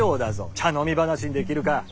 茶飲み話にできるかッ。